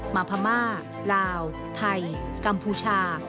พม่าลาวไทยกัมพูชา